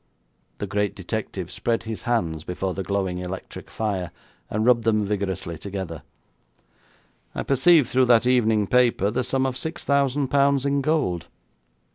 The great detective spread his hands before the glowing electric fire, and rubbed them vigorously together. 'I perceive through that evening paper the sum of six thousand pounds in gold.'